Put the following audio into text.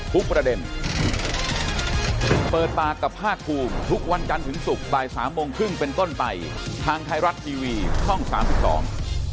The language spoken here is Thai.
ทุกประเด็นเปิดปากกับภาคภูมิทุกวันจันทร์ถึงศุกร์บ่ายสามโมงครึ่งเป็นต้นไปทางไทยรัฐทีวีช่องสามสิบสอง